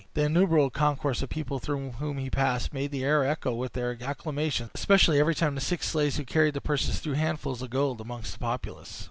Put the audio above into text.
The innumerable concourse of people through whom he passed made the air echo with their acclamations, especially every time the six slaves who carried the purses threw handfuls of gold among the populace.